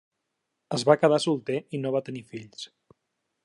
Es va quedar solter i no va tenir fills.